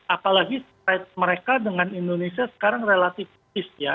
apalagi fed mereka dengan indonesia sekarang relatif kis ya